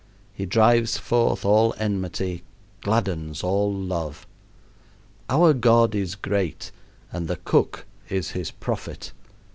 He drives forth all enmity, gladdens all love. Our God is great and the cook is his prophet.